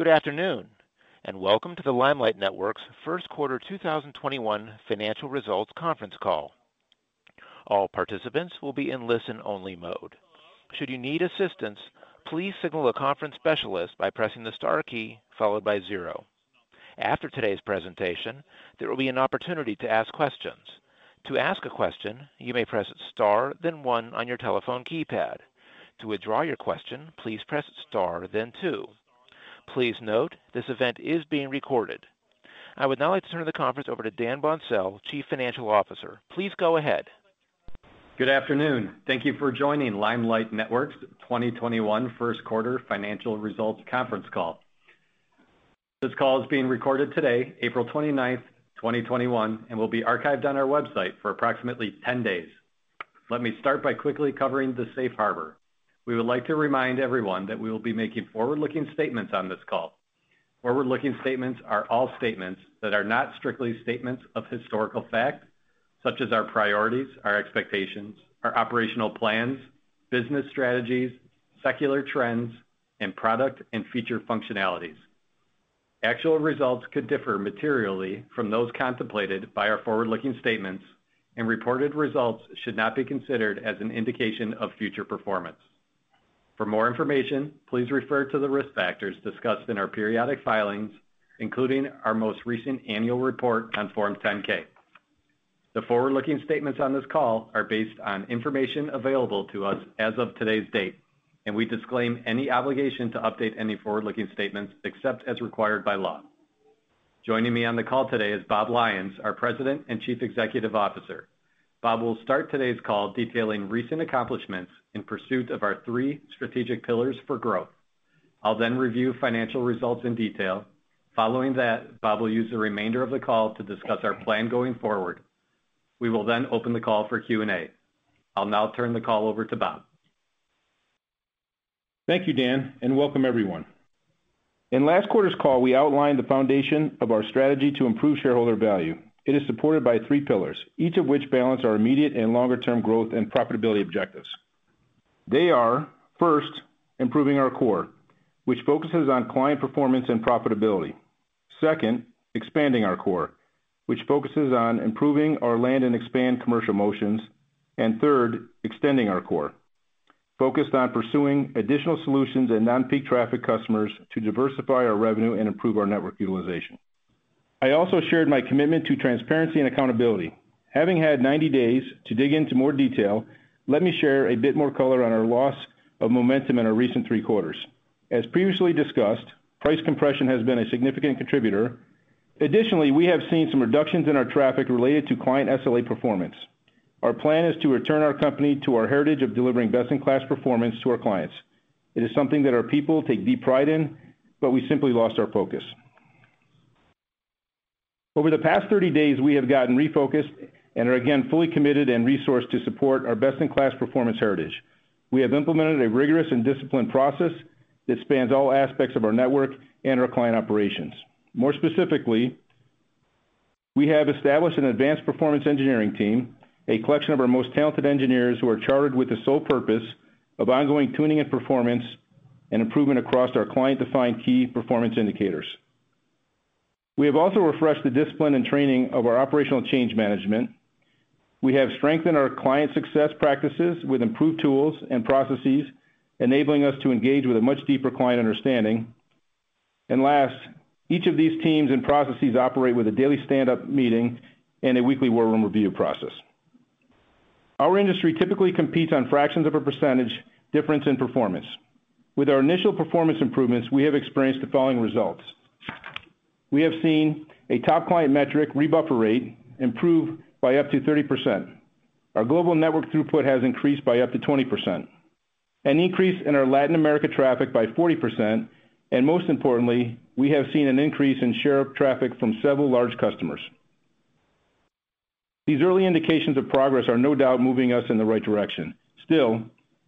Good afternoon, and welcome to the Limelight Networks' first quarter 2021 financial results conference call. All participants will be in listen only mode. Should you need assistance, please signal the conference specialist by pressing the star key followed by zero. After today's presentation, there will be an opportunity to ask questions. To ask a question, you may press star then one on your telephone keypad. To withdraw your question, please press star then two. Please note, this event is being recorded. I would now like to turn the conference over to Dan Boncel, Chief Financial Officer. Please go ahead. Good afternoon. Thank you for joining Limelight Networks' 2021 first quarter financial results conference call. This call is being recorded today, April 29th, 2021, and will be archived on our website for approximately 10 days. Let me start by quickly covering the safe harbor. We would like to remind everyone that we will be making forward-looking statements on this call. Forward-looking statements are all statements that are not strictly statements of historical fact, such as our priorities, our expectations, our operational plans, business strategies, secular trends, and product and feature functionalities. Actual results could differ materially from those contemplated by our forward-looking statements, and reported results should not be considered as an indication of future performance. For more information, please refer to the risk factors discussed in our periodic filings, including our most recent annual report on Form 10-K. The forward-looking statements on this call are based on information available to us as of today's date, and we disclaim any obligation to update any forward-looking statements except as required by law. Joining me on the call today is Bob Lyons, our President and Chief Executive Officer. Bob will start today's call detailing recent accomplishments in pursuit of our three strategic pillars for growth. I'll then review financial results in detail. Following that, Bob will use the remainder of the call to discuss our plan going forward. We will then open the call for Q&A. I'll now turn the call over to Bob. Thank you, Dan. Welcome everyone. In last quarter's call, we outlined the foundation of our strategy to improve shareholder value. It is supported by three pillars, each of which balance our immediate and longer-term growth and profitability objectives. They are, first, improving our core, which focuses on client performance and profitability. Second, expanding our core, which focuses on improving our land and expand commercial motions. Third, extending our core, focused on pursuing additional solutions and non-peak traffic customers to diversify our revenue and improve our network utilization. I also shared my commitment to transparency and accountability. Having had 90 days to dig into more detail, let me share a bit more color on our loss of momentum in our recent three quarters. As previously discussed, price compression has been a significant contributor. Additionally, we have seen some reductions in our traffic related to client SLA performance. Our plan is to return our company to our heritage of delivering best-in-class performance to our clients. It is something that our people take deep pride in, but we simply lost our focus. Over the past 30 days, we have gotten refocused and are again fully committed and resourced to support our best-in-class performance heritage. We have implemented a rigorous and disciplined process that spans all aspects of our network and our client operations. More specifically, we have established an advanced performance engineering team, a collection of our most talented engineers who are chartered with the sole purpose of ongoing tuning and performance, and improvement across our client-defined key performance indicators. We have also refreshed the discipline and training of our operational change management. We have strengthened our client success practices with improved tools and processes, enabling us to engage with a much deeper client understanding. Last, each of these teams and processes operate with a daily standup meeting and a weekly war room review process. Our industry typically competes on fractions of a percentage difference in performance. With our initial performance improvements, we have experienced the following results. We have seen a top client metric, rebuffer rate, improve by up to 30%. Our global network throughput has increased by up to 20%, an increase in our Latin America traffic by 40%, and most importantly, we have seen an increase in share of traffic from several large customers. These early indications of progress are no doubt moving us in the right direction. Still,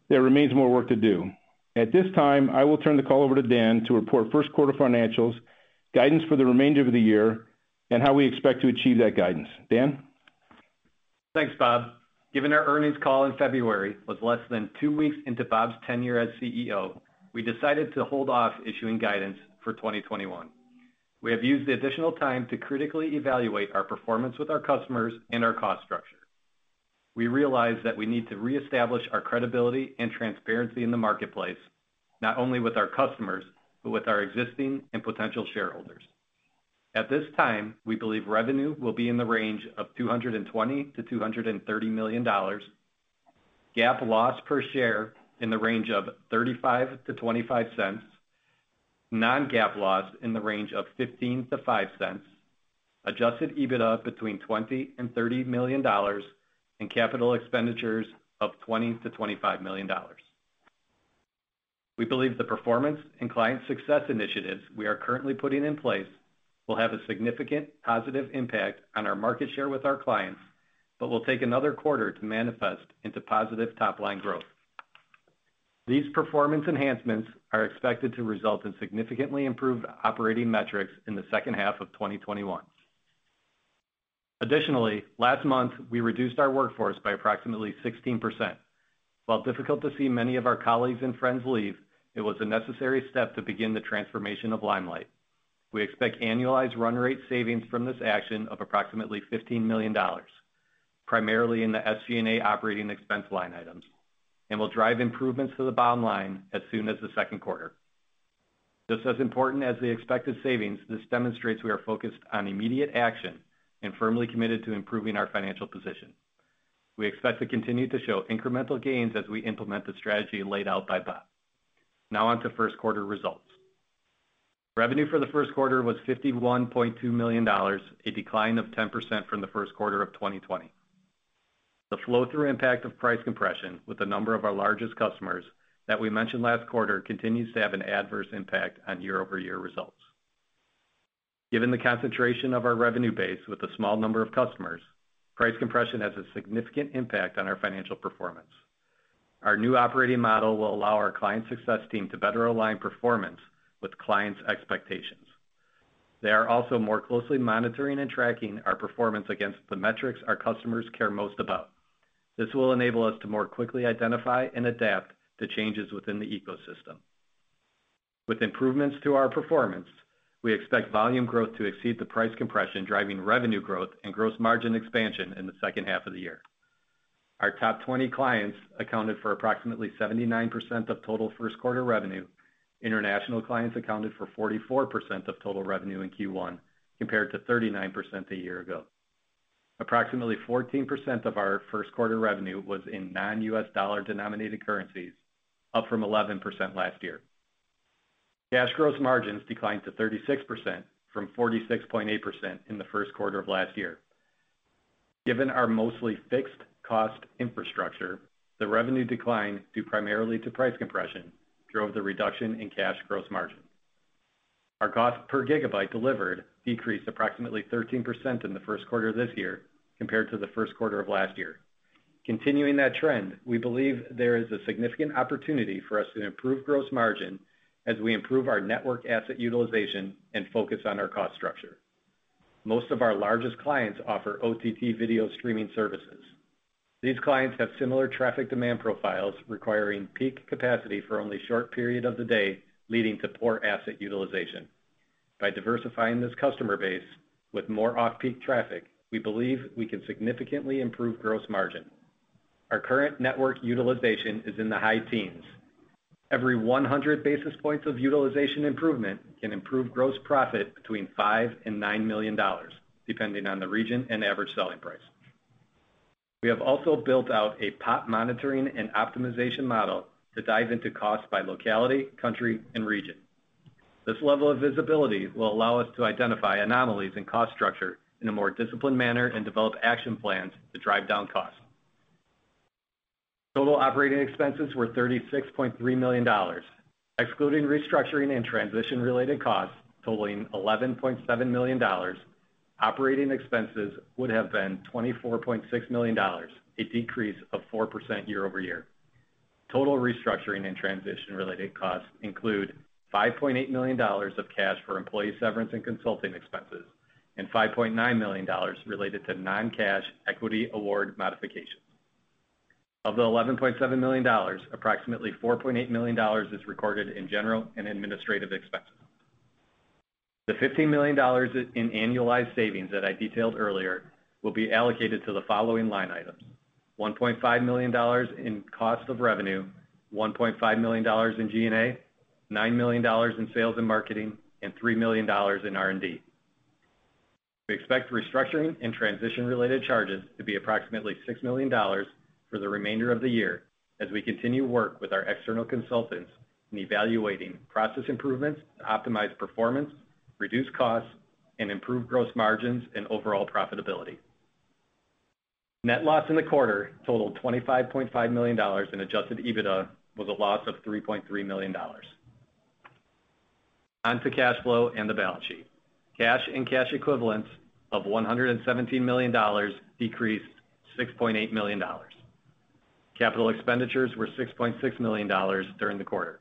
there remains more work to do. At this time, I will turn the call over to Dan to report first quarter financials, guidance for the remainder of the year, and how we expect to achieve that guidance. Dan? Thanks, Bob. Given our earnings call in February was less than two weeks into Bob's tenure as CEO, we decided to hold off issuing guidance for 2021. We have used the additional time to critically evaluate our performance with our customers and our cost structure. We realize that we need to reestablish our credibility and transparency in the marketplace, not only with our customers, but with our existing and potential shareholders. At this time, we believe revenue will be in the range of $220 million-$230 million, GAAP loss per share in the range of $0.35-$0.25, non-GAAP loss in the range of $0.15-$0.05, adjusted EBITDA between $20 million-$30 million, and capital expenditures of $20 million-$25 million. We believe the performance and client success initiatives we are currently putting in place will have a significant positive impact on our market share with our clients, but will take another quarter to manifest into positive top-line growth. These performance enhancements are expected to result in significantly improved operating metrics in the second half of 2021. Last month, we reduced our workforce by approximately 16%. While difficult to see many of our colleagues and friends leave, it was a necessary step to begin the transformation of Limelight Networks. We expect annualized run rate savings from this action of approximately $15 million, primarily in the SG&A operating expense line items, and will drive improvements to the bottom line as soon as the second quarter. Just as important as the expected savings, this demonstrates we are focused on immediate action and firmly committed to improving our financial position. We expect to continue to show incremental gains as we implement the strategy laid out by Bob. Now on to first quarter results. Revenue for the first quarter was $51.2 million, a decline of 10% from the first quarter of 2020. The flow-through impact of price compression with a number of our largest customers that we mentioned last quarter continues to have an adverse impact on year-over-year results. Given the concentration of our revenue base with a small number of customers, price compression has a significant impact on our financial performance. Our new operating model will allow our client success team to better align performance with clients' expectations. They are also more closely monitoring and tracking our performance against the metrics our customers care most about. This will enable us to more quickly identify and adapt to changes within the ecosystem. With improvements to our performance, we expect volume growth to exceed the price compression, driving revenue growth and gross margin expansion in the second half of the year. Our top 20 clients accounted for approximately 79% of total first quarter revenue. International clients accounted for 44% of total revenue in Q1, compared to 39% a year ago. Approximately 14% of our first quarter revenue was in non-U.S. dollar-denominated currencies, up from 11% last year. Cash gross margins declined to 36% from 46.8% in the first quarter of last year. Given our mostly fixed cost infrastructure, the revenue decline, due primarily to price compression, drove the reduction in cash gross margin. Our cost per gigabyte delivered decreased approximately 13% in the first quarter of this year compared to the first quarter of last year. Continuing that trend, we believe there is a significant opportunity for us to improve gross margin as we improve our network asset utilization and focus on our cost structure. Most of our largest clients offer OTT video streaming services. These clients have similar traffic demand profiles, requiring peak capacity for only a short period of the day, leading to poor asset utilization. By diversifying this customer base with more off-peak traffic, we believe we can significantly improve gross margin. Our current network utilization is in the high teens. Every 100 basis points of utilization improvement can improve gross profit between $5 and $9 million, depending on the region and average selling price. We have also built out a PoP monitoring and optimization model to dive into cost by locality, country, and region. This level of visibility will allow us to identify anomalies in cost structure in a more disciplined manner and develop action plans to drive down costs. Total operating expenses were $36.3 million. Excluding restructuring and transition-related costs totaling $11.7 million, operating expenses would have been $24.6 million, a decrease of 4% year-over-year. Total restructuring and transition-related costs include $5.8 million of cash for employee severance and consulting expenses, and $5.9 million related to non-cash equity award modifications. Of the $11.7 million, approximately $4.8 million is recorded in general and administrative expenses. The $15 million in annualized savings that I detailed earlier will be allocated to the following line items: $1.5 million in cost of revenue, $1.5 million in G&A, $9 million in sales and marketing, and $3 million in R&D. We expect restructuring and transition-related charges to be approximately $6 million for the remainder of the year as we continue work with our external consultants in evaluating process improvements to optimize performance, reduce costs, and improve gross margins and overall profitability. Net loss in the quarter totaled $25.5 million. Adjusted EBITDA was a loss of $3.3 million. On to cash flow and the balance sheet. Cash and cash equivalents of $117 million decreased $6.8 million. Capital expenditures were $6.6 million during the quarter.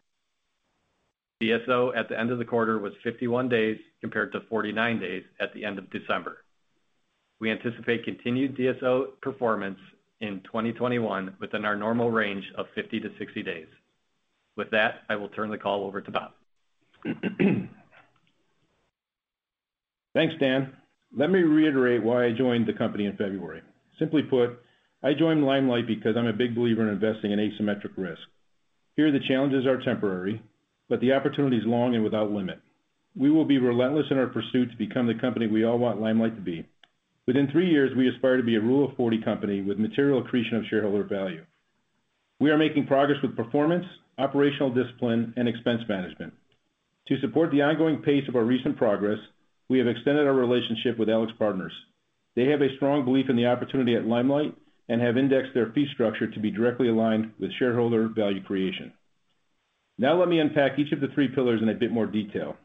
DSO at the end of the quarter was 51 days, compared to 49 days at the end of December. We anticipate continued DSO performance in 2021 within our normal range of 50-60 days. With that, I will turn the call over to Bob. Thanks, Dan. Let me reiterate why I joined the company in February. Simply put, I joined Limelight because I'm a big believer in investing in asymmetric risk. Here, the challenges are temporary, but the opportunity is long and without limit. We will be relentless in our pursuit to become the company we all want Limelight to be. Within three years, we aspire to be a Rule of 40 company with material accretion of shareholder value. We are making progress with performance, operational discipline, and expense management. To support the ongoing pace of our recent progress, we have extended our relationship with AlixPartners. They have a strong belief in the opportunity at Limelight and have indexed their fee structure to be directly aligned with shareholder value creation. Let me unpack each of the three pillars in a bit more detail.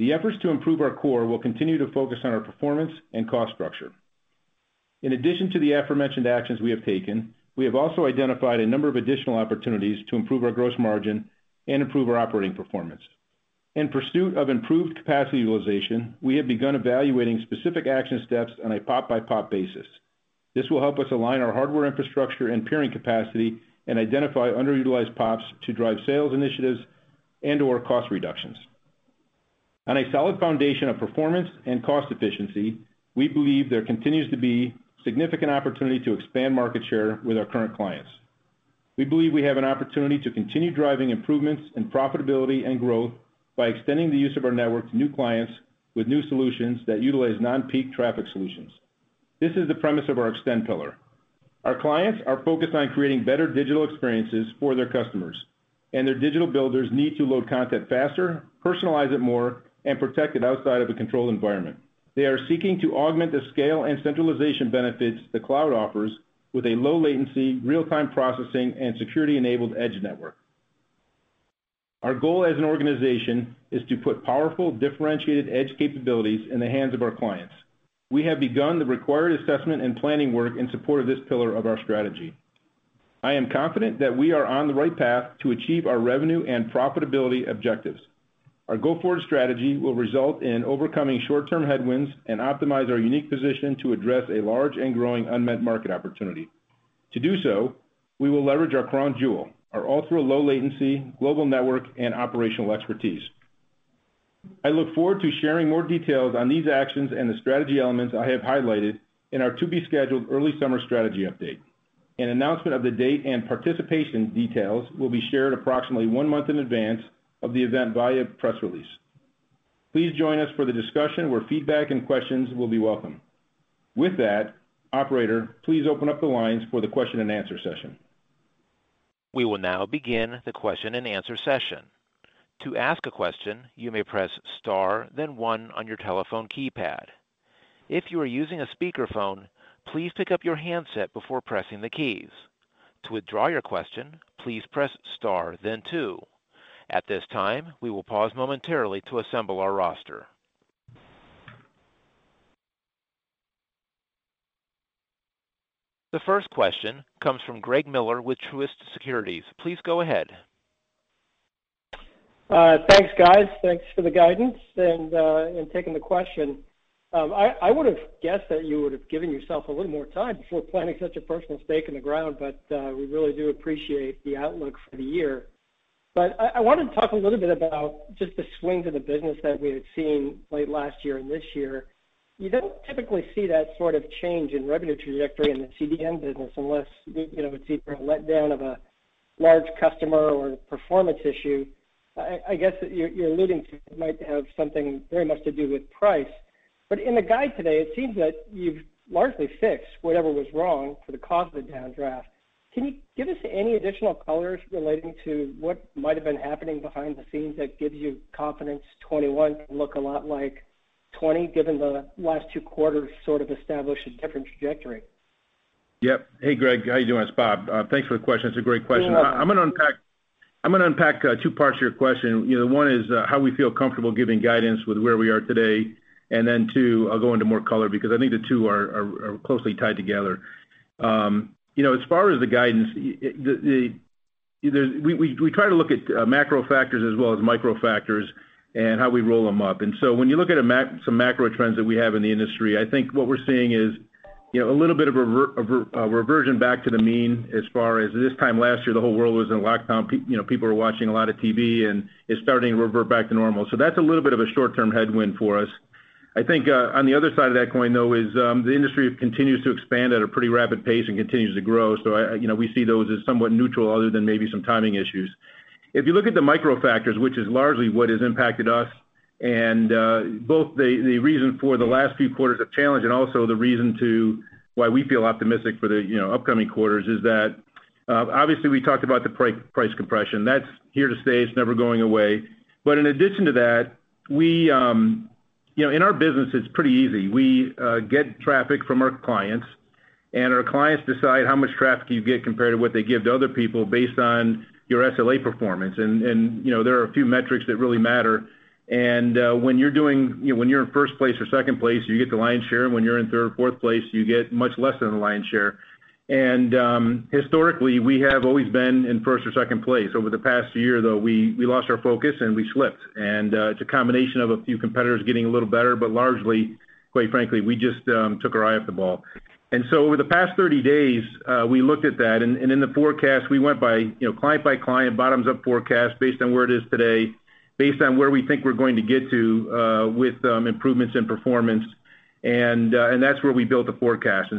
The efforts to improve our core will continue to focus on our performance and cost structure. In addition to the aforementioned actions we have taken, we have also identified a number of additional opportunities to improve our gross margin and improve our operating performance. In pursuit of improved capacity utilization, we have begun evaluating specific action steps on a PoP-by-PoP basis. This will help us align our hardware infrastructure and peering capacity and identify underutilized PoPs to drive sales initiatives and/or cost reductions. On a solid foundation of performance and cost efficiency, we believe there continues to be significant opportunity to expand market share with our current clients. We believe we have an opportunity to continue driving improvements in profitability and growth by extending the use of our network to new clients with new solutions that utilize non-peak traffic solutions. This is the premise of our extend pillar. Our clients are focused on creating better digital experiences for their customers, and their digital builders need to load content faster, personalize it more, and protect it outside of a controlled environment. They are seeking to augment the scale and centralization benefits the cloud offers with a low latency, real-time processing, and security-enabled edge network. Our goal as an organization is to put powerful, differentiated edge capabilities in the hands of our clients. We have begun the required assessment and planning work in support of this pillar of our strategy. I am confident that we are on the right path to achieve our revenue and profitability objectives. Our go-forward strategy will result in overcoming short-term headwinds and optimize our unique position to address a large and growing unmet market opportunity. To do so, we will leverage our crown jewel, our ultra low latency, global network, and operational expertise. I look forward to sharing more details on these actions and the strategy elements I have highlighted in our to-be-scheduled early summer strategy update. An announcement of the date and participation details will be shared approximately one month in advance of the event via press release. Please join us for the discussion where feedback and questions will be welcome. With that, operator, please open up the lines for the question and answer session. We will now begin the question and answer session. To ask a question, you may press star then one on your telephone keypad. If you are using a speakerphone, please pick up your handset before pressing the keys. To withdraw your question, please press star then two. At this time, we will pause momentarily to assemble our roster. The first question comes from Greg Miller with Truist Securities. Please go ahead. Thanks, guys. Thanks for the guidance and taking the question. I would've guessed that you would've given yourself a little more time before planting such a personal stake in the ground, but we really do appreciate the outlook for the year. I want to talk a little bit about just the swing to the business that we had seen late last year and this year. You don't typically see that sort of change in revenue trajectory in the CDN business unless it's either a letdown of a large customer or performance issue. I guess what you're alluding to might have something very much to do with price. In the guide today, it seems that you've largely fixed whatever was wrong for the cause of the downdraft. Can you give us any additional colors relating to what might have been happening behind the scenes that gives you confidence 2021 can look a lot like 2020, given the last two quarters sort of established a different trajectory? Yep. Hey, Greg. How you doing? It's Bob. Thanks for the question. It's a great question. You're welcome. I'm going to unpack two parts of your question. One is how we feel comfortable giving guidance with where we are today, and then two, I'll go into more color because I think the two are closely tied together. As far as the guidance, we try to look at macro factors as well as micro factors and how we roll them up. When you look at some macro trends that we have in the industry, I think what we're seeing is a little bit of a reversion back to the mean, as far as this time last year, the whole world was in lockdown. People were watching a lot of TV, it's starting to revert back to normal. That's a little bit of a short-term headwind for us. I think on the other side of that coin, though, is the industry continues to expand at a pretty rapid pace and continues to grow. We see those as somewhat neutral other than maybe some timing issues. If you look at the micro factors, which is largely what has impacted us, and both the reason for the last few quarters of challenge and also the reason to why we feel optimistic for the upcoming quarters is that obviously we talked about the price compression. That's here to stay. It's never going away. In addition to that, in our business, it's pretty easy. We get traffic from our clients, and our clients decide how much traffic you get compared to what they give to other people based on your SLA performance. There are a few metrics that really matter. When you're in first place or second place, you get the lion's share, and when you're in third or fourth place, you get much less than the lion's share. Historically, we have always been in first or second place. Over the past year, though, we lost our focus and we slipped. It's a combination of a few competitors getting a little better, but largely, quite frankly, we just took our eye off the ball. Over the past 30 days, we looked at that, and in the forecast, we went by client by client, bottoms-up forecast based on where it is today, based on where we think we're going to get to with improvements in performance, and that's where we built the forecast.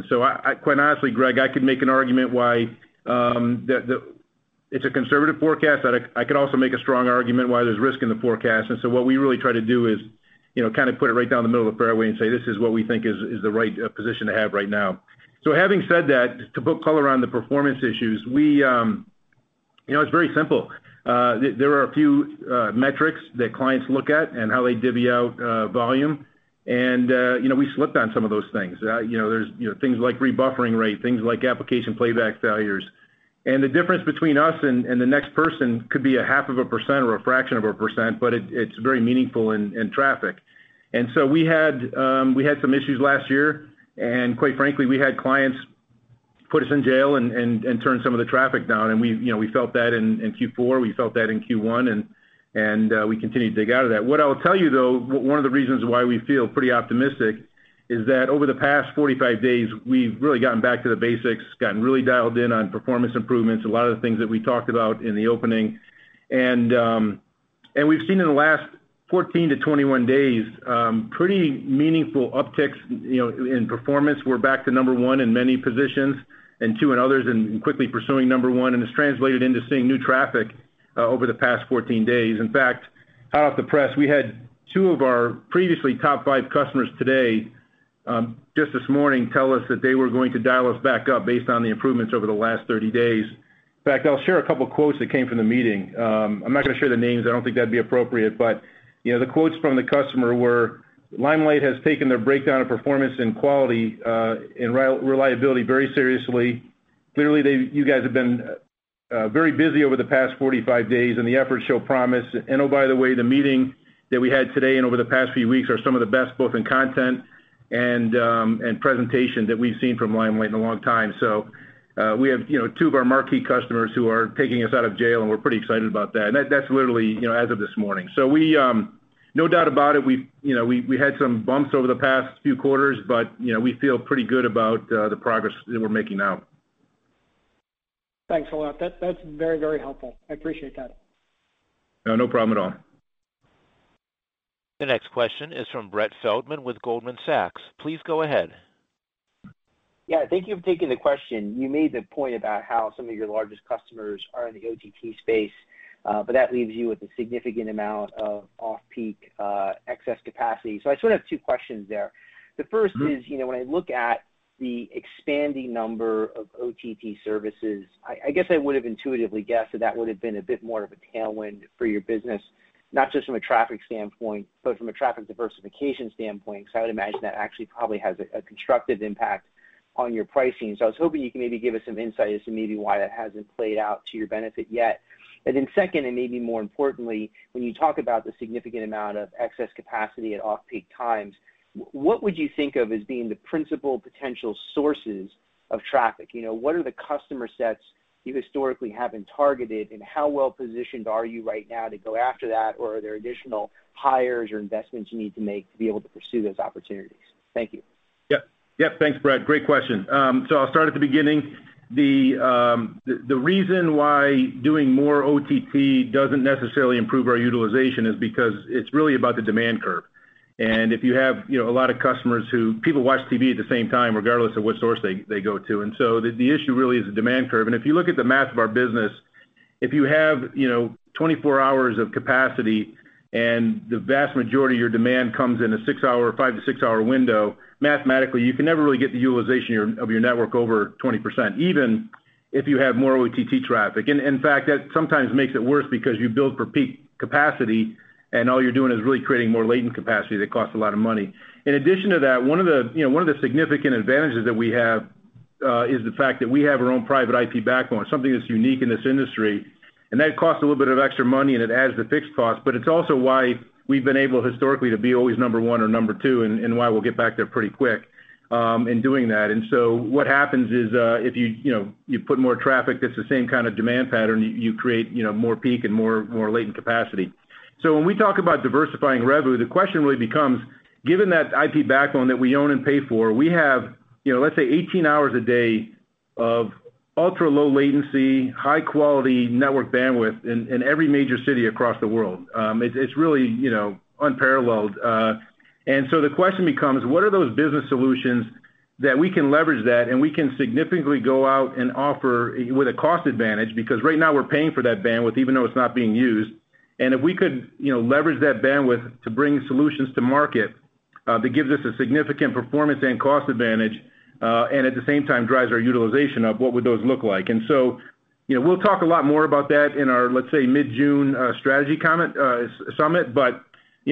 Quite honestly, Greg, I could make an argument why it's a conservative forecast. I could also make a strong argument why there's risk in the forecast. What we really try to do is kind of put it right down the middle of the fairway and say, "This is what we think is the right position to have right now." Having said that, to put color on the performance issues, it's very simple. There are a few metrics that clients look at and how they divvy out volume, and we slipped on some of those things. There's things like rebuffer rate, things like application playback failures. The difference between us and the next person could be a half of a percent or a fraction of a percent, but it's very meaningful in traffic. We had some issues last year, and quite frankly, we had clients put us in jail and turn some of the traffic down, and we felt that in Q4, we felt that in Q1, and we continue to dig out of that. What I'll tell you though, one of the reasons why we feel pretty optimistic is that over the past 45 days, we've really gotten back to the basics, gotten really dialed in on performance improvements, a lot of the things that we talked about in the opening. We've seen in the last 14 to 21 days, pretty meaningful upticks in performance. We're back to number one in many positions, and two in others, and quickly pursuing number one, and it's translated into seeing new traffic over the past 14 days. In fact, hot off the press, we had two of our previously top five customers today, just this morning tell us that they were going to dial us back up based on the improvements over the last 30 days. In fact, I'll share a couple quotes that came from the meeting. I'm not going to share the names. I don't think that'd be appropriate. The quotes from the customer were, "Limelight has taken their breakdown of performance and quality and reliability very seriously. Clearly, you guys have been very busy over the past 45 days and the efforts show promise. Oh, by the way, the meeting that we had today and over the past few weeks are some of the best, both in content and presentation that we've seen from Limelight in a long time. We have two of our marquee customers who are taking us out of jail, and we're pretty excited about that. That's literally as of this morning. No doubt about it, we had some bumps over the past few quarters, but we feel pretty good about the progress that we're making now. Thanks a lot. That's very, very helpful. I appreciate that. No problem at all. The next question is from Brett Feldman with Goldman Sachs. Please go ahead. Yeah. Thank you for taking the question. You made the point about how some of your largest customers are in the OTT space, but that leaves you with a significant amount of off-peak excess capacity. I sort of have two questions there. The first is, when I look at the expanding number of OTT services, I guess I would've intuitively guessed that that would have been a bit more of a tailwind for your business, not just from a traffic standpoint, but from a traffic diversification standpoint, because I would imagine that actually probably has a constructive impact on your pricing. I was hoping you could maybe give us some insight as to maybe why that hasn't played out to your benefit yet. Second, and maybe more importantly, when you talk about the significant amount of excess capacity at off-peak times, what would you think of as being the principal potential sources of traffic? What are the customer sets you historically haven't targeted, and how well-positioned are you right now to go after that? Or are there additional hires or investments you need to make to be able to pursue those opportunities? Thank you. Yep. Thanks, Brett. Great question. I'll start at the beginning. The reason why doing more OTT doesn't necessarily improve our utilization is because it's really about the demand curve. If you have a lot of customers. People watch TV at the same time, regardless of what source they go to. The issue really is the demand curve. If you look at the math of our business, if you have 24 hours of capacity and the vast majority of your demand comes in a five to six-hour window, mathematically, you can never really get the utilization of your network over 20%, even if you have more OTT traffic. In fact, that sometimes makes it worse because you build for peak capacity, and all you're doing is really creating more latent capacity that costs a lot of money. In addition to that, one of the significant advantages that we have, is the fact that we have our own private IP backbone, something that's unique in this industry. That costs a little bit of extra money and it adds to fixed cost, but it's also why we've been able, historically, to be always number one or number two, and why we'll get back there pretty quick in doing that. What happens is, if you put more traffic that's the same kind of demand pattern, you create more peak and more latent capacity. When we talk about diversifying revenue, the question really becomes, given that IP backbone that we own and pay for, we have, let's say, 18 hours a day of ultra-low latency, high-quality network bandwidth in every major city across the world. It's really unparalleled. The question becomes: What are those business solutions that we can leverage that and we can significantly go out and offer with a cost advantage? Because right now we're paying for that bandwidth even though it's not being used. If we could leverage that bandwidth to bring solutions to market, that gives us a significant performance and cost advantage, and at the same time drives our utilization up, what would those look like? We'll talk a lot more about that in our, let's say, mid-June strategy summit.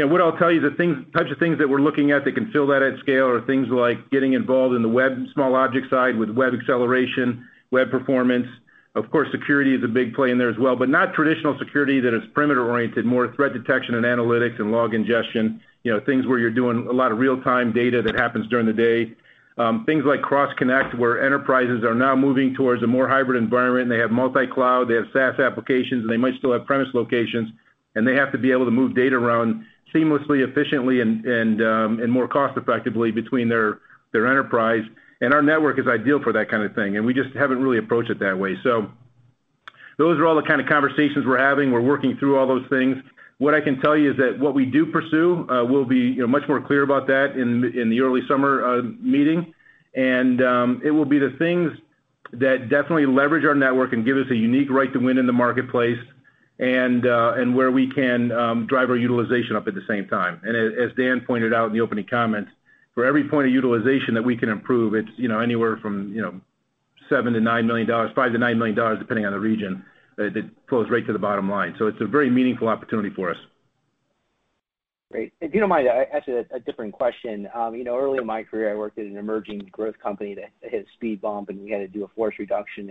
What I'll tell you, the types of things that we're looking at that can fill that at scale are things like getting involved in the web small logic side with web acceleration, web performance. Of course, security is a big play in there as well. Not traditional security that is perimeter-oriented, more threat detection and analytics and log ingestion. Things where you're doing a lot of real-time data that happens during the day. Things like cross-connect, where enterprises are now moving towards a more hybrid environment. They have multi-cloud, they have SaaS applications, and they might still have premise locations, and they have to be able to move data around seamlessly, efficiently, and more cost-effectively between their enterprise. Our network is ideal for that kind of thing, and we just haven't really approached it that way. Those are all the kind of conversations we're having. We're working through all those things. What I can tell you is that what we do pursue, we'll be much more clear about that in the early summer meeting. It will be the things that definitely leverage our network and give us a unique right to win in the marketplace, and where we can drive our utilization up at the same time. As Dan pointed out in the opening comments, for every point of utilization that we can improve, it's anywhere from $7 million-$9 million, depending on the region. It flows right to the bottom line. It's a very meaningful opportunity for us. Great. If you don't mind, I ask you a different question. Early in my career, I worked at an emerging growth company that hit a speed bump, we had to do a force reduction.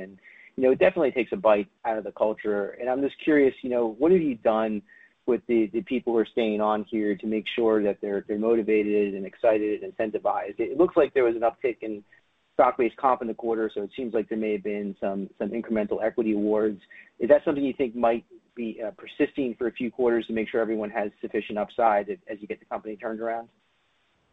It definitely takes a bite out of the culture. I'm just curious, what have you done with the people who are staying on here to make sure that they're motivated and excited, incentivized? It looks like there was an uptick in stock-based comp in the quarter, so it seems like there may have been some incremental equity awards. Is that something you think might be persisting for a few quarters to make sure everyone has sufficient upside as you get the company turned around?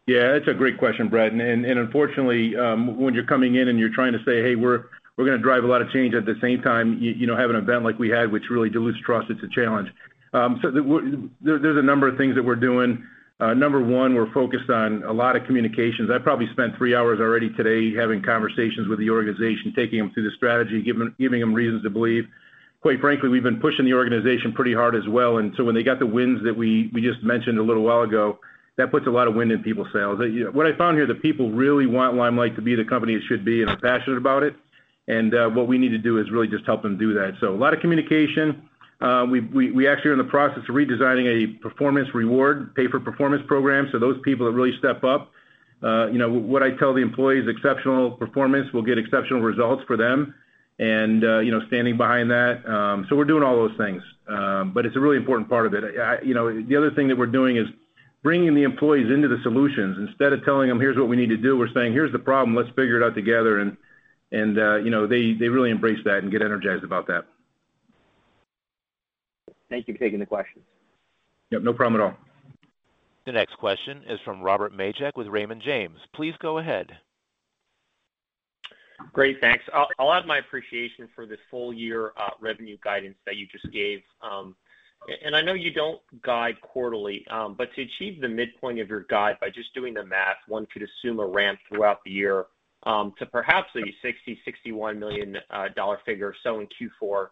Yeah, that's a great question, Brett, and unfortunately, when you're coming in and you're trying to say, "Hey, we're going to drive a lot of change." At the same time, have an event like we had, which really dilutes trust, it's a challenge. There's a number of things that we're doing. Number one, we're focused on a lot of communications. I probably spent three hours already today having conversations with the organization, taking them through the strategy, giving them reasons to believe. Quite frankly, we've been pushing the organization pretty hard as well. When they got the wins that we just mentioned a little while ago, that puts a lot of wind in people's sails. What I found here, the people really want Limelight to be the company it should be, and are passionate about it. What we need to do is really just help them do that. A lot of communication. We actually are in the process of redesigning a performance reward, pay for performance program. Those people that really step up. What I tell the employees, exceptional performance will get exceptional results for them and standing behind that. We're doing all those things. It's a really important part of it. The other thing that we're doing is bringing the employees into the solutions. Instead of telling them, "Here's what we need to do," we're saying, "Here's the problem, let's figure it out together." They really embrace that and get energized about that. Thank you for taking the question. Yep, no problem at all. The next question is from Robert Majek with Raymond James. Please go ahead. Great, thanks. I'll add my appreciation for the full year revenue guidance that you just gave. I know you don't guide quarterly, but to achieve the midpoint of your guide by just doing the math, one could assume a ramp throughout the year to perhaps a $60 million, $61 million figure or so in Q4.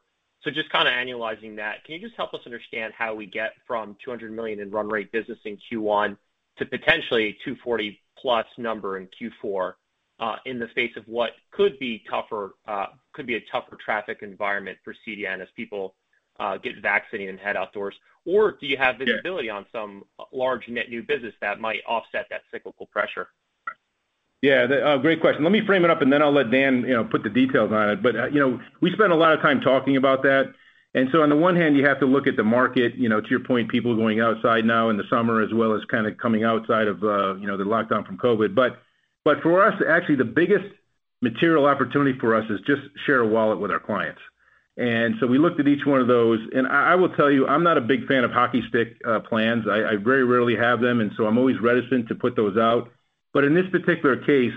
Just kind of annualizing that, can you just help us understand how we get from $200 million in run rate business in Q1 to potentially $240-plus number in Q4, in the face of what could be a tougher traffic environment for CDN as people get vaccinated and head outdoors? Do you have visibility on some large net new business that might offset that cyclical pressure? Yeah, great question. Let me frame it up, and then I'll let Dan put the details on it. We spent a lot of time talking about that. On the one hand, you have to look at the market. To your point, people going outside now in the summer as well as kind of coming outside of the lockdown from COVID. For us, actually, the biggest material opportunity for us is just share a wallet with our clients. We looked at each one of those, and I will tell you, I'm not a big fan of hockey stick plans. I very rarely have them. I'm always reticent to put those out. In this particular case,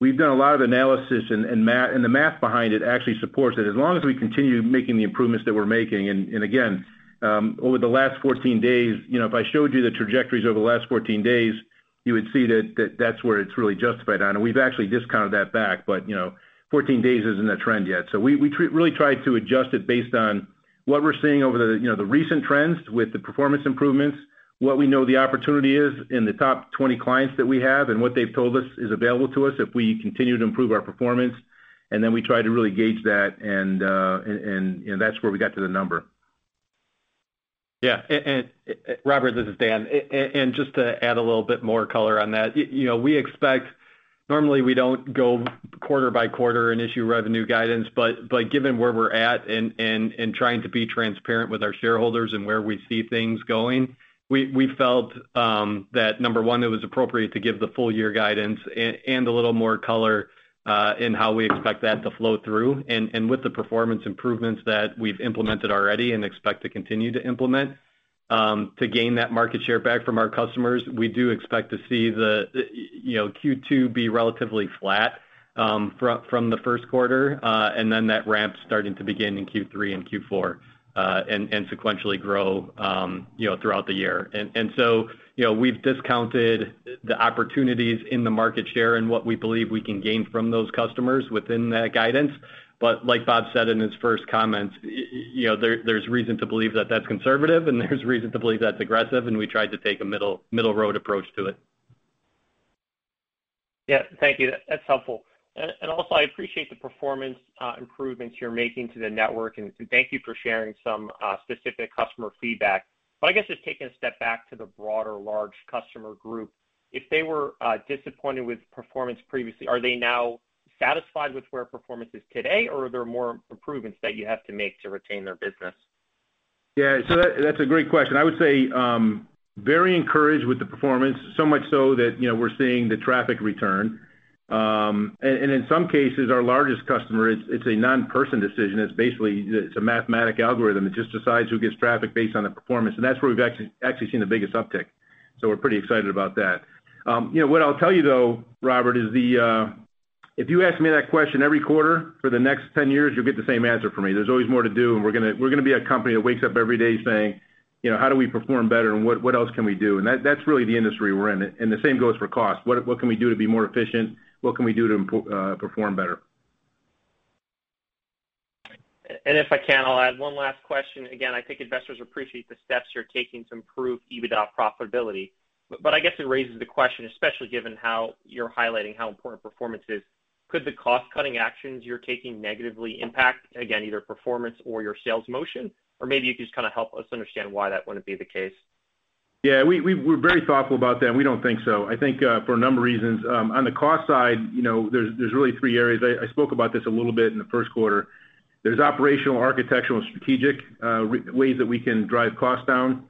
we've done a lot of analysis, and the math behind it actually supports it. As long as we continue making the improvements that we're making, again, over the last 14 days, if I showed you the trajectories over the last 14 days, you would see that that's where it's really justified on. We've actually discounted that back, but 14 days isn't a trend yet. We really tried to adjust it based on what we're seeing over the recent trends with the performance improvements. What we know the opportunity is in the top 20 clients that we have and what they've told us is available to us if we continue to improve our performance. We try to really gauge that, and that's where we got to the number. Yeah. Robert, this is Dan. Just to add a little bit more color on that. Normally we don't go quarter by quarter and issue revenue guidance, but given where we're at and trying to be transparent with our shareholders and where we see things going, we felt that, number one, it was appropriate to give the full year guidance and a little more color in how we expect that to flow through. With the performance improvements that we've implemented already and expect to continue to implement to gain that market share back from our customers, we do expect to see the Q2 be relatively flat from the first quarter. That ramp starting to begin in Q3 and Q4, and sequentially grow throughout the year. We've discounted the opportunities in the market share and what we believe we can gain from those customers within that guidance. Like Bob said in his first comments, there's reason to believe that that's conservative and there's reason to believe that's aggressive, and we tried to take a middle road approach to it. Thank you. That's helpful. Also, I appreciate the performance improvements you're making to the network, and thank you for sharing some specific customer feedback. I guess just taking a step back to the broader large customer group, if they were disappointed with performance previously, are they now satisfied with where performance is today, or are there more improvements that you have to make to retain their business? That's a great question. I would say, very encouraged with the performance, so much so that we're seeing the traffic return. In some cases, our largest customer, it's a non-person decision. It's a mathematical algorithm that just decides who gets traffic based on the performance, and that's where we've actually seen the biggest uptick. We're pretty excited about that. What I'll tell you, though, Robert, is if you ask me that question every quarter for the next 10 years, you'll get the same answer from me. There's always more to do. We're going to be a company that wakes up every day saying, "How do we perform better and what else can we do?" That's really the industry we're in. The same goes for cost. What can we do to be more efficient? What can we do to perform better? If I can, I'll add one last question. Again, I think investors appreciate the steps you're taking to improve EBITDA profitability. I guess it raises the question, especially given how you're highlighting how important performance is, could the cost-cutting actions you're taking negatively impact, again, either performance or your sales motion? Maybe you could just help us understand why that wouldn't be the case. We're very thoughtful about that, and we don't think so, I think, for a number of reasons. On the cost side, there's really three areas. I spoke about this a little bit in the first quarter. There's operational, architectural, and strategic ways that we can drive costs down.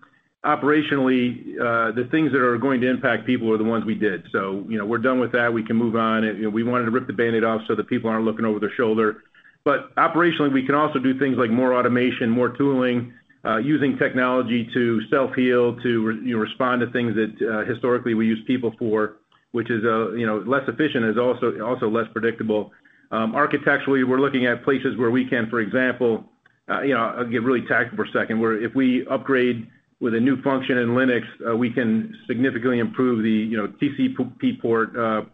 Operationally, the things that are going to impact people are the ones we did. We're done with that. We can move on. We wanted to rip the Band-Aid off so that people aren't looking over their shoulder. Operationally, we can also do things like more automation, more tooling, using technology to self-heal, to respond to things that historically we use people for, which is less efficient and is also less predictable. Architecturally, we're looking at places where we can, for example, I'll get really tactical for a second, where if we upgrade with a new function in Linux, we can significantly improve the TCP port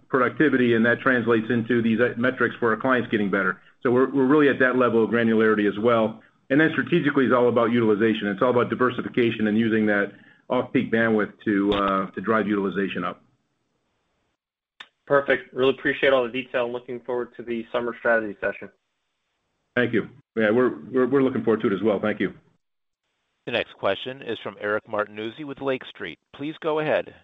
productivity, and that translates into these metrics for our clients getting better. We're really at that level of granularity as well. Strategically, it's all about utilization. It's all about diversification and using that off-peak bandwidth to drive utilization up. Perfect. Really appreciate all the detail and looking forward to the summer strategy session. Thank you. Yeah, we're looking forward to it as well. Thank you. The next question is from Eric Martinuzzi with Lake Street. Please go ahead.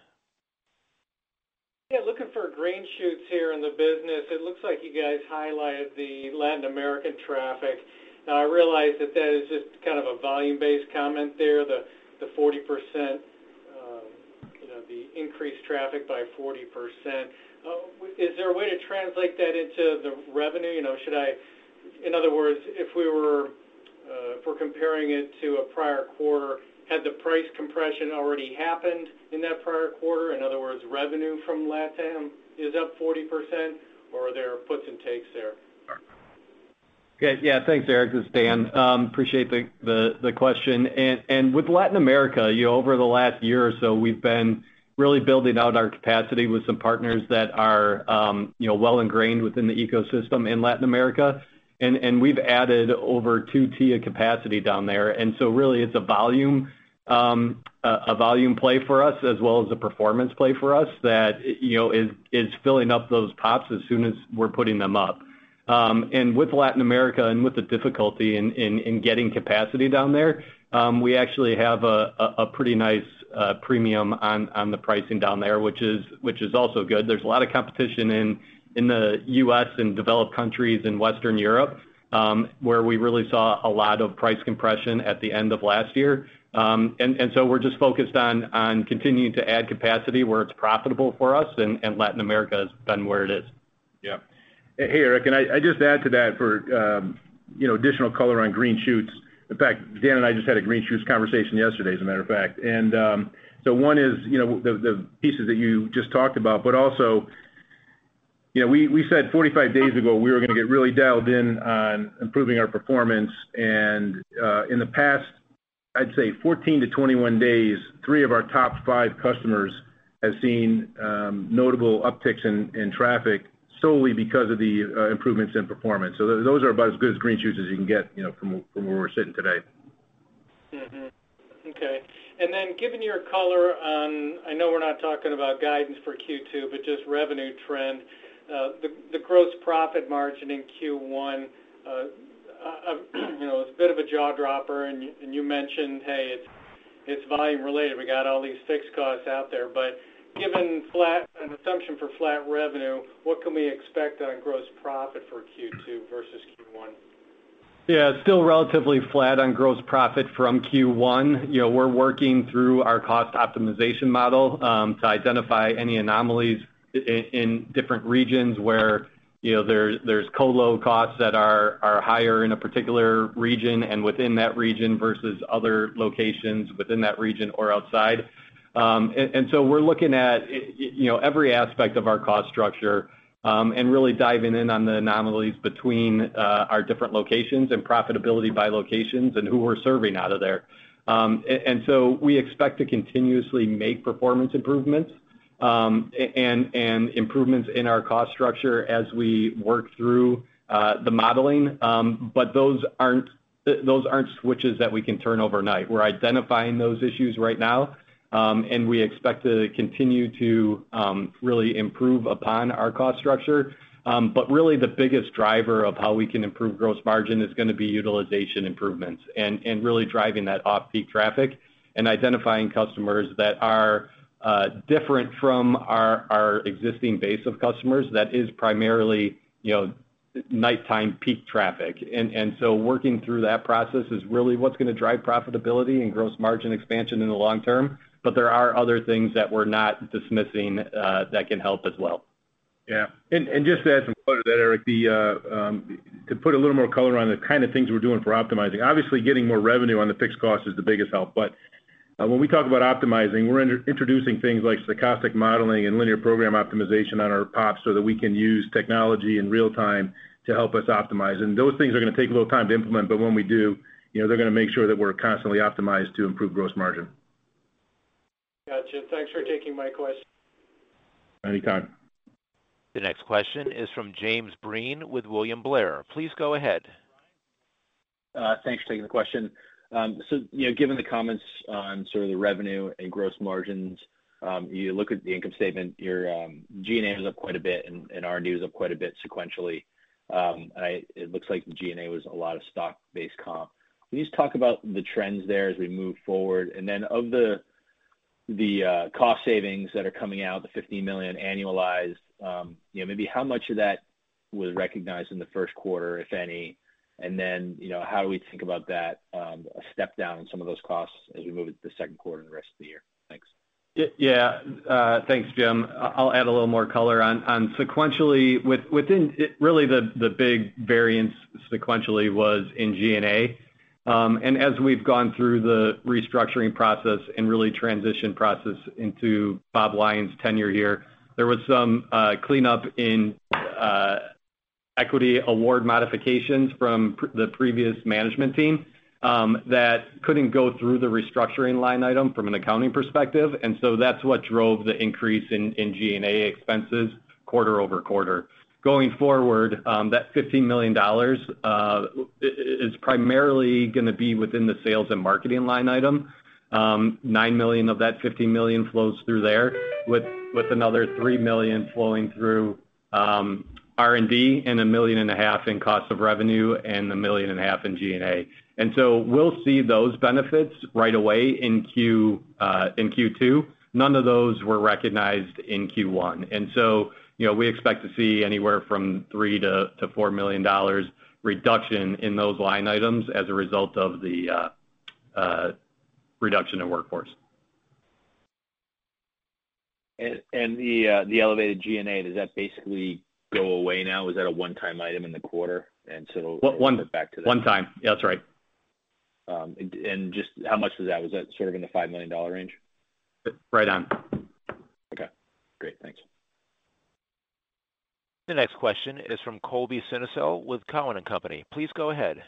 Yeah, looking for green shoots here in the business. It looks like you guys highlighted the Latin American traffic. Now, I realize that that is just kind of a volume-based comment there, the increased traffic by 40%. Is there a way to translate that into the revenue? In other words, if we're comparing it to a prior quarter, had the price compression already happened in that prior quarter? In other words, revenue from LatAm is up 40%, or are there puts and takes there? Thanks, Eric. This is Dan. Appreciate the question. With Latin America, over the last year or so, we've been really building out our capacity with some partners that are well ingrained within the ecosystem in Latin America, and we've added over 2T of capacity down there. Really, it's a volume play for us as well as a performance play for us that is filling up those PoPs as soon as we're putting them up. With Latin America and with the difficulty in getting capacity down there, we actually have a pretty nice premium on the pricing down there, which is also good. There's a lot of competition in the U.S. and developed countries in Western Europe, where we really saw a lot of price compression at the end of last year. We're just focused on continuing to add capacity where it's profitable for us, and Latin America has been where it is. Yeah. Hey, Eric, I just add to that for additional color on green shoots. In fact, Dan and I just had a green shoots conversation yesterday, as a matter of fact. One is the pieces that you just talked about, but also, we said 45 days ago, we were going to get really dialed in on improving our performance. In the past, I'd say 14-21 days, three of our top five customers have seen notable upticks in traffic solely because of the improvements in performance. Those are about as good as green shoots as you can get from where we're sitting today. Okay. Given your color on, I know we're not talking about guidance for Q2, but just revenue trend. The gross profit margin in Q1, it's a bit of a jaw-dropper, and you mentioned, hey, it's volume related. We got all these fixed costs out there. Given an assumption for flat revenue, what can we expect on gross profit for Q2 versus Q1? It's still relatively flat on gross profit from Q1. We're working through our cost optimization model to identify any anomalies in different regions where there's co-lo costs that are higher in a particular region and within that region versus other locations within that region or outside. We're looking at every aspect of our cost structure and really diving in on the anomalies between our different locations and profitability by locations and who we're serving out of there. We expect to continuously make performance improvements and improvements in our cost structure as we work through the modeling, but those aren't switches that we can turn overnight. We're identifying those issues right now, and we expect to continue to really improve upon our cost structure. Really the biggest driver of how we can improve gross margin is going to be utilization improvements and really driving that off-peak traffic and identifying customers that are different from our existing base of customers that is primarily nighttime peak traffic. Working through that process is really what's going to drive profitability and gross margin expansion in the long term. There are other things that we're not dismissing that can help as well. Yeah. Just to add some color to that, Eric, to put a little more color on the kind of things we're doing for optimizing. Obviously, getting more revenue on the fixed cost is the biggest help. When we talk about optimizing, we're introducing things like stochastic modeling and linear program optimization on our PoPs so that we can use technology in real time to help us optimize. Those things are going to take a little time to implement, but when we do, they're going to make sure that we're constantly optimized to improve gross margin. Got you. Thanks for taking my question. Any time. The next question is from Jim Breen with William Blair. Please go ahead. Thanks for taking the question. Given the comments on sort of the revenue and gross margins, you look at the income statement, your G&A is up quite a bit and R&D is up quite a bit sequentially. It looks like the G&A was a lot of stock-based comp. Can you just talk about the trends there as we move forward? Of the cost savings that are coming out, the $15 million annualized, maybe how much of that was recognized in the first quarter, if any? How do we think about that, a step down on some of those costs as we move into the second quarter and the rest of the year? Thanks. Thanks, Jim. I'll add a little more color on sequentially, within really the big variance sequentially was in G&A. As we've gone through the restructuring process and really transition process into Bob Lyons tenure here, there was some cleanup in equity award modifications from the previous management team that couldn't go through the restructuring line item from an accounting perspective. That's what drove the increase in G&A expenses quarter-over-quarter. Going forward, that $15 million is primarily going to be within the sales and marketing line item. $9 million of that $15 million flows through there, with another $3 million flowing through R&D and a million and a half in cost of revenue and a million and a half in G&A. We'll see those benefits right away in Q2. None of those were recognized in Q1. We expect to see anywhere from $3 million-$4 million reduction in those line items as a result of the reduction in workforce. The elevated G&A, does that basically go away now? Is that a one-time item in the quarter? One- Back to the- One time. Yeah, that's right. Just how much was that? Was that sort of in the $5 million range? Right on. Okay, great. Thanks. The next question is from Colby Synesael with Cowen and Company. Please go ahead.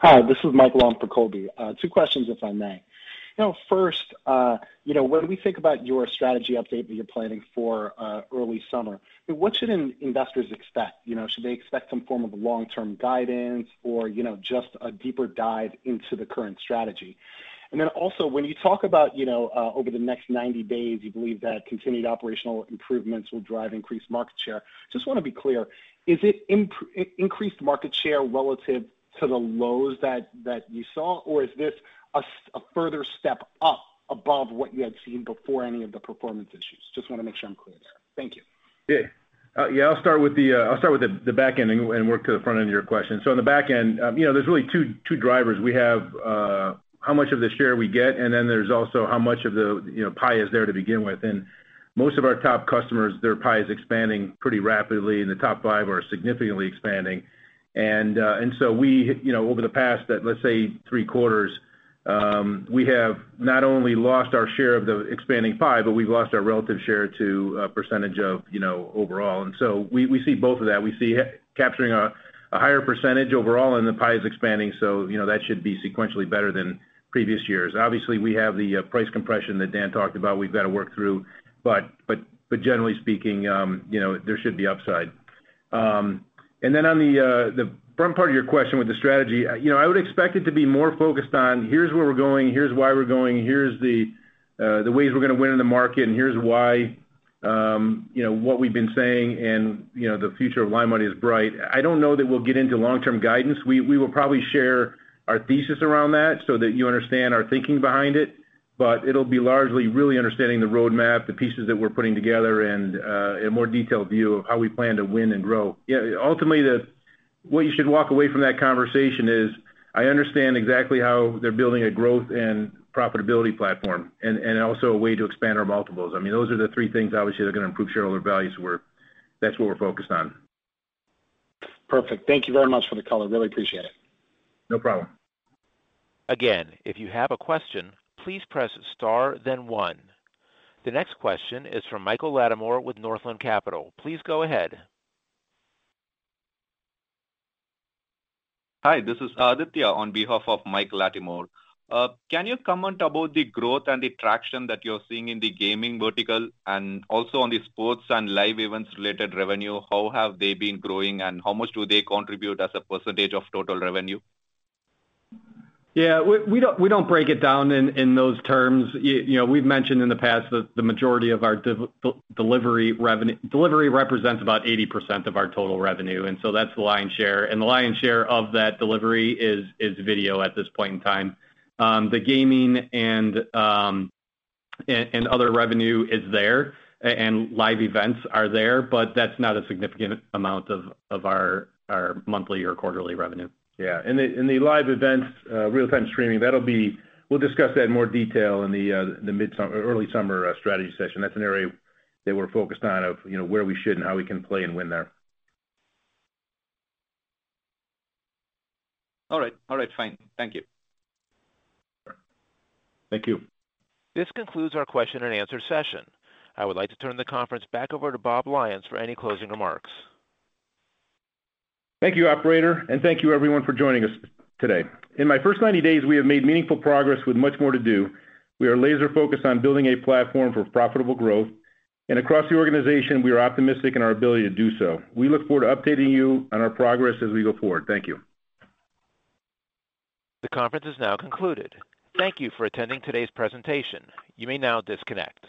Hi, this is Mike Long for Colby. Two questions, if I may. First, when we think about your strategy update that you're planning for early summer, what should investors expect? Should they expect some form of long-term guidance or just a deeper dive into the current strategy? Then also when you talk about over the next 90 days, you believe that continued operational improvements will drive increased market share. Just want to be clear, is it increased market share relative to the lows that you saw, or is this a further step up above what you had seen before any of the performance issues? Just want to make sure I'm clear there. Thank you. Yeah. I'll start with the back end and work to the front end of your question. On the back end, there's really two drivers. We have how much of the share we get, and then there's also how much of the pie is there to begin with. Most of our top customers, their pie is expanding pretty rapidly, and the top five are significantly expanding. We, over the past, let's say, three quarters, we have not only lost our share of the expanding pie, but we've lost our relative share to a percentage of overall. We see both of that. We see capturing a higher percentage overall, and the pie is expanding, so that should be sequentially better than previous years. Obviously, we have the price compression that Dan talked about, we've got to work through, but generally speaking there should be upside. On the front part of your question with the strategy, I would expect it to be more focused on here's where we're going, here's why we're going, here's the ways we're going to win in the market, and here's why what we've been saying and the future of Limelight is bright. I don't know that we'll get into long-term guidance. We will probably share our thesis around that so that you understand our thinking behind it, but it'll be largely really understanding the roadmap, the pieces that we're putting together and a more detailed view of how we plan to win and grow. Ultimately, what you should walk away from that conversation is, I understand exactly how they're building a growth and profitability platform and also a way to expand our multiples. I mean, those are the three things, obviously, that are going to improve shareholder values. That's what we're focused on. Perfect. Thank you very much for the color. Really appreciate it. No problem. Again, if you have a question, please press star then one. The next question is from Michael Latimore with Northland Capital. Please go ahead. Hi, this is Aditya on behalf of Mike Latimore. Can you comment about the growth and the traction that you're seeing in the gaming vertical and also on the sports and live events related revenue? How have they been growing and how much do they contribute as a percentage of total revenue? Yeah. We don't break it down in those terms. We've mentioned in the past that the majority of our delivery revenue. Delivery represents about 80% of our total revenue, that's the lion's share. The lion's share of that delivery is video at this point in time. The gaming and other revenue is there, and live events are there, but that's not a significant amount of our monthly or quarterly revenue. Yeah. In the live events, real-time streaming, we'll discuss that in more detail in the early summer strategy session. That's an area that we're focused on of where we should and how we can play and win there. All right. Fine. Thank you. Sure. Thank you. This concludes our question and answer session. I would like to turn the conference back over to Bob Lyons for any closing remarks. Thank you, operator, and thank you everyone for joining us today. In my first 90 days, we have made meaningful progress with much more to do. We are laser focused on building a platform for profitable growth, and across the organization, we are optimistic in our ability to do so. We look forward to updating you on our progress as we go forward. Thank you. The conference is now concluded. Thank you for attending today's presentation. You may now disconnect.